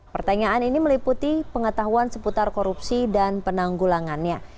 pertanyaan ini meliputi pengetahuan seputar korupsi dan penanggulangannya